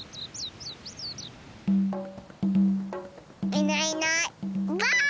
いないいないばあっ！